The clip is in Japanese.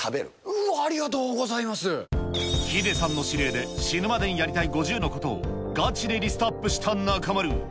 うわー、ありがとうございまヒデさんの指令で、死ぬまでにやりたい５０のことを、ガチでリストアップした中丸。